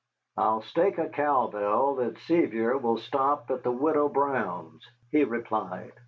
"I'll stake a cowbell that Sevier will stop at the Widow Brown's," he replied.